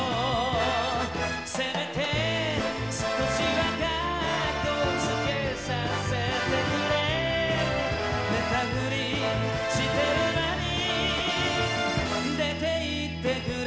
「せめて少しはカッコつけさせてくれ」「寝たふりしてる間に出て行ってくれ」